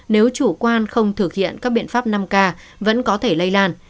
nếu chủ quan không thực hiện các biện pháp năm k vẫn có thể lây lan